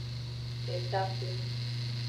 Etaxu.